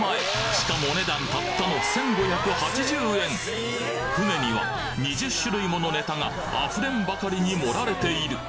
しかもお値段たったの舟には２０種類ものネタが溢れんばかりに盛られている